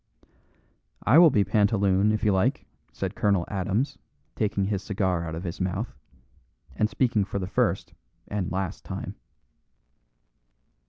"I will be pantaloon, if you like," said Colonel Adams, taking his cigar out of his mouth, and speaking for the first and last time.